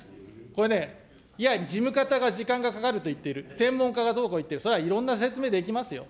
これね、いや、事務方が時間がかかると言っている、専門家がどうこう言ってる、それはいろんな説明できますよ。